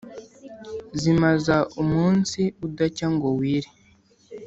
zimaza umunsi udacya ngo wire.